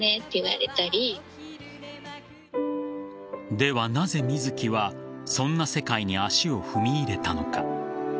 では、なぜ水木はそんな世界に足を踏み入れたのか。